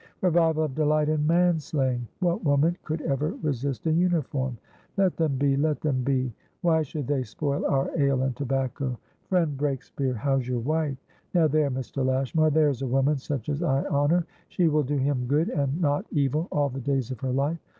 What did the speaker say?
Revival of delight in manslayingwhat woman could ever resist a uniform? Let them be; let them be. Why should they spoil our ale and tobacco? Friend Breakspeare, how's your wife? Now there, Mr. Lashmar, there is a woman such as I honour! 'She will do him good and not evil all the days of her life.'